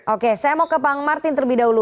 oke saya mau ke bang martin terlebih dahulu